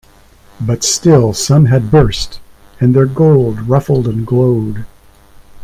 But still some had burst, and their gold ruffled and glowed.